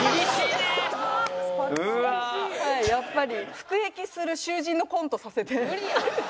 服役する囚人のコントさせて。